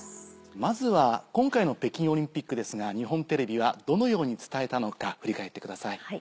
まずは今回の北京オリンピックですが日本テレビはどのように伝えたのか振り返ってください。